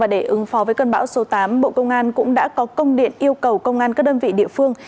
để ứng phó với cơn bão số tám bộ công an cũng đã có công điện yêu cầu công an các đơn vị địa phương